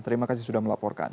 terima kasih sudah melaporkan